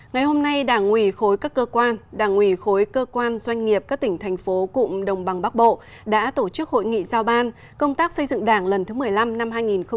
ngay đảng ủy khối các cơ quan đảng ủy khối cơ quan doanh nghiệp các tỉnh thành phố cụm đồng bằng bác bộ đã tổ chức hội nghị giao ban công tác xây dựng đảng lần thứ một mươi năm năm hai nghìn hai mươi bốn